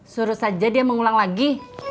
suruh saja dia mengulang lagi